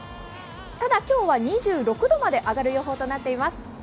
ただ今日は２６度まで上がる予想となっています。